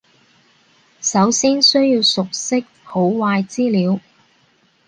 首先需要熟悉好壞資料